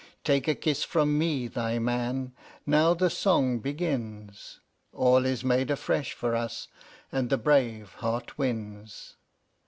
Take a kiss from me thy man; now the song begins: "All is made afresh for us, and the brave heart wins."